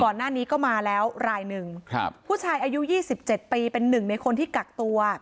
ก่อนหน้านี้ก็มาแล้วรายหนึ่งครับผู้ชายอายุ๒๗ปีเป็นหนึ่งในคนที่กักตัว